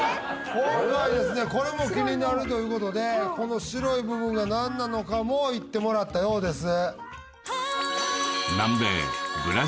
今回ですねこれも気になるということでこの白い部分がなんなのかも行ってもらったようです